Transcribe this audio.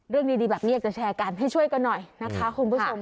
เรื่องดีแบบนี้อยากจะแชร์กันให้ช่วยกันหน่อยนะคะคุณผู้ชม